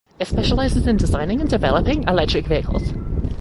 It specializes in designing and developing electric vehicles.